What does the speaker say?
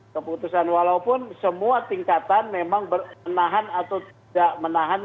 keputusan walaupun semua tingkatan memang menahan atau tidak menahan